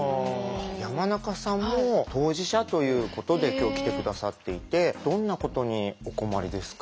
山中さんも当事者ということで今日来て下さっていてどんなことにお困りですか？